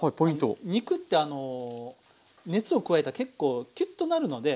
肉ってあの熱を加えたら結構キュッとなるので。